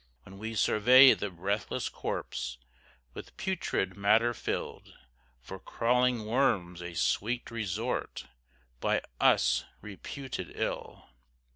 When we survey the breathless corpse, With putrid matter filled, For crawling worms a sweet resort, By us reputed ill.